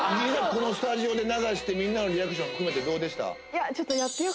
このスタジオで流してみんなのリアクション含めてどうでした？